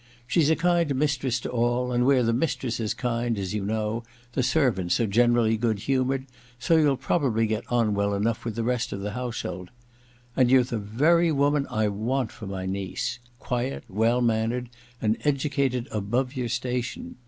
She's a kind mistress to all, and where the mistress is kind, as you know, the servants are generally good humoured, so you'll probably get on well enough with the rest of the household. And you're the very woman I want for my niece : quiet, well mannered, and educated above your station.